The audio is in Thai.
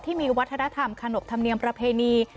ที่มีวัฒนธรรมขนบธรรมเนียมประเพณี